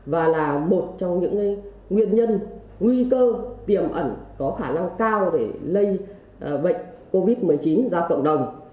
và là một trong những nguyên nhân nguy cơ tiềm ẩn có khả năng cao để lây bệnh covid một mươi chín ra cộng đồng